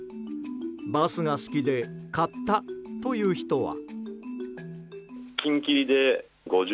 バスが好きで買ったという人は。